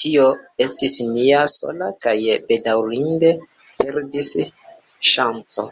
Tio estis nia sola kaj bedaŭrinde perdita ŝanco.